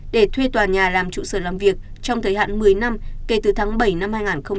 để thuê tòa nhà làm trụ sở làm việc trong thời hạn một mươi năm kể từ tháng bảy năm hai nghìn hai mươi